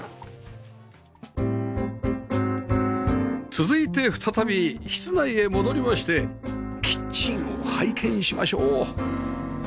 続いて再び室内へ戻りましてキッチンを拝見しましょう